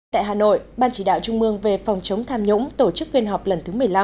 tại hà nội ban chỉ đạo trung mương về phòng chống tham nhũng tổ chức phiên họp lần thứ một mươi năm